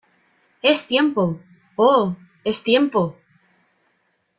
¡ Es tiempo! ¡ oh !¡ es tiempo !